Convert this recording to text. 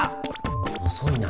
遅いな。